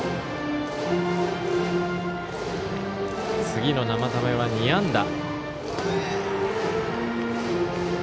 次の生田目は２安打。